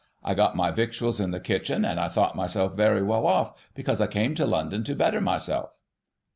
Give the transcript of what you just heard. I got my victuals in the kitchen, and I thought myself very well off, because I came to London to better myself.